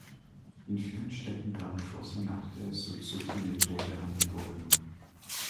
In vielen Städten werden Kurse nach der Suzuki-Methode angeboten.